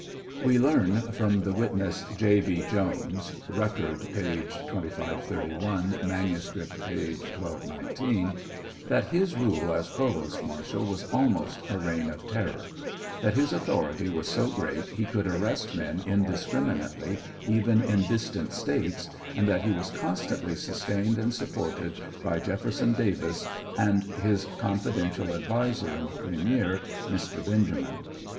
We learn from the witness J. B. Jones (Record, p. 2531 ; manuscript, p. 1219) that his rule as provost marshal was almost a reign of terror ; that his authority was so great be could arrest men indiscriminately even in distant States, and that he was constantly sustained and supported by Jefferson Davis and his con fidential adviser and premier, Mr. Benjamin.